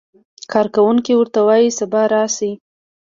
کارکوونکی ورته وایي سبا راشئ.